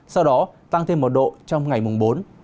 sau đó tăng thêm một độ trong ngày mùng bốn